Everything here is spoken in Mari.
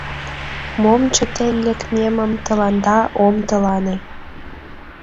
Мом чытен лекмемым тыланда ом тылане.